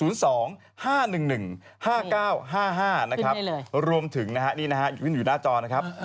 ๐๒๕๑๑๕๙๕๕นะครับเพราะรวมถึงนะครับนี่นะฮะยืนอยู่หน้าจอนะครับ